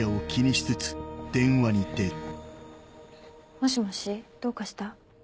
もしもしどうかした？